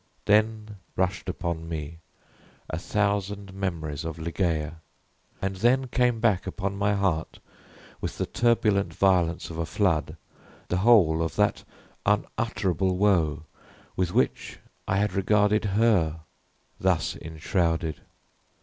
Then rushed upon me a thousand memories of Ligeia and then came back upon my heart, with the turbulent violence of a flood, the whole of that unutterable woe with which I had regarded her thus enshrouded.